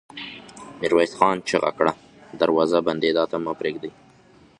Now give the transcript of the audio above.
ميرويس خان چيغه کړه! دروازه بندېدا ته مه پرېږدئ!